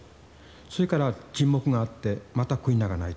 それから沈黙があってまたクイナが鳴いた。